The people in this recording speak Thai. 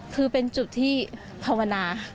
คือเป็นจุดที่ภาวนา